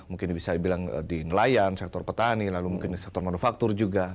mungkin bisa dibilang di nelayan sektor petani lalu mungkin di sektor manufaktur juga